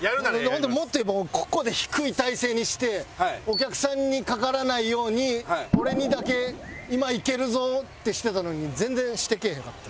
ほんでもっと言えばここで低い体勢にしてお客さんにかからないように俺にだけ今いけるぞってしてたのに全然してけえへんかった。